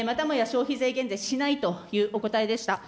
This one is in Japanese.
消費税減税しないというお答えでした。